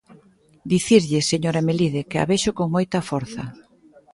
Dicirlle, señora Melide, que a vexo con moita forza.